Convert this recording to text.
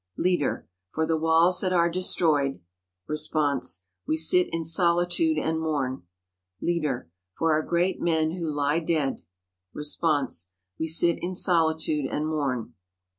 Leader — For the walls that are destroyed. Response — We sit in solitude and mourn. Leader — For our great men who lie dead. Response — We sit in solitude and mourn.